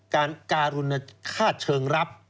การการลุณฆาตเชิงรับ